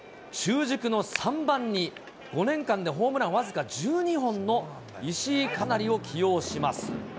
中軸の３番に、５年間でホームラン僅か１２本の石井一成を起用します。